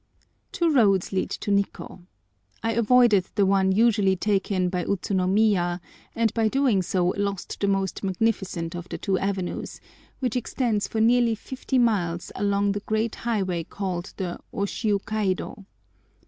Two roads lead to Nikkô. I avoided the one usually taken by Utsunomiya, and by doing so lost the most magnificent of the two avenues, which extends for nearly fifty miles along the great highway called the Oshiu kaido.